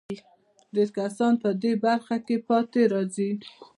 ډېر کسان په دې برخه کې پاتې راځي.